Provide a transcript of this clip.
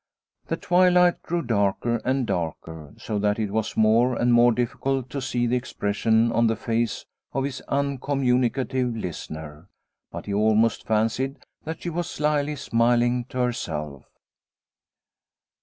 The twilight grew darker and darker, so that it was more and more difficult to see the expression on the face of his uncommunicative listener, but he almost fancied that she was slyly smiling to herself.